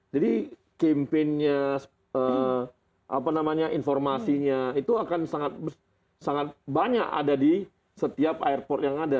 jadi campaign nya informasinya itu akan sangat banyak ada di setiap airport yang ada